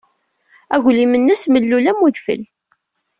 Aglim-nnes mellul am udfel.